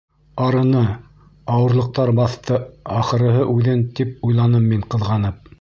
Арыны, ауырлыҡтар баҫты, ахырыһы, үҙен, тип уйланым мин ҡыҙғанып.